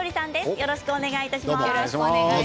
よろしくお願いします。